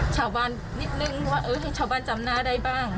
ชาวบ้านนิดนึงว่าชาวบ้านจำหน้าได้บ้าง